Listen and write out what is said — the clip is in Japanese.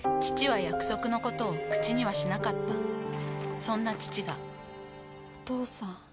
父は約束のことを口にはしなかったそんな父がお父さん。